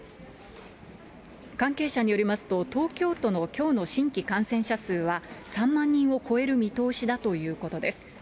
関係者によりますと、東京都のきょうの新規感染者数は、３万人を超える見通しだということです。